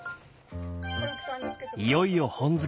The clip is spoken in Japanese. いよいよ本漬けです。